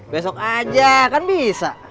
besok aja kan bisa